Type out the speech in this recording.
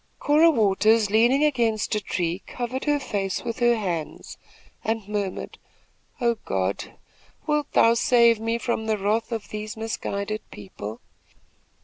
Cora Waters, leaning against a tree, covered her face with her hands and murmured: "Oh, God! wilt thou save me from the wrath of these misguided people?"